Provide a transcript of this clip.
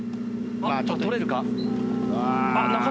あっと、取れるか？